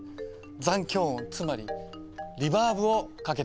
残響音つまり「リバーブ」をかけたんです。